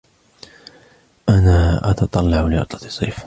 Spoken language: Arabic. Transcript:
أنا أتتطلع لعطلة الصيف.